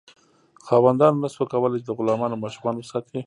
خاوندانو نشو کولی چې د غلامانو ماشومان وساتي.